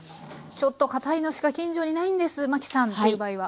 「ちょっとかたいのしか近所にないんですマキさん」という場合は？